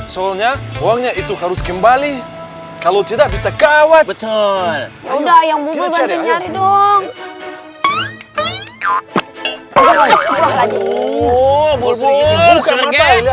soalnya uangnya itu harus kembali kalau tidak bisa kawat betul